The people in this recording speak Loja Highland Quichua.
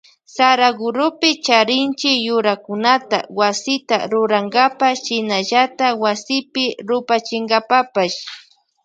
Saraguropi charinchi yurakunata wasita rurankapa shinallata wasipi rupachinkapapash.